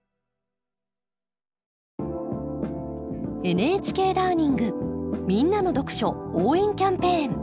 「ＮＨＫラーニングみんなの読書応援キャンペーン」。